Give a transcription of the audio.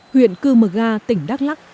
huyện cư mờ ga tỉnh đắk lắc